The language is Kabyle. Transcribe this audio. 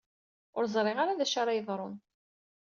Ur ẓriɣ ara d acu ara yeḍrun.